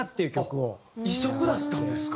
異色だったんですか。